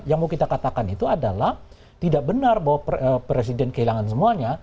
yang mau kita katakan itu adalah tidak benar bahwa presiden kehilangan semuanya